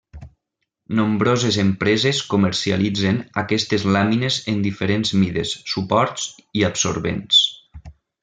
Nombroses empreses comercialitzen aquestes làmines en diferents mides, suports i adsorbents.